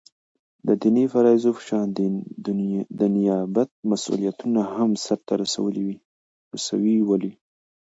دديني فرائضو په شان دنيابت مسؤليتونه هم سرته رسوي ولي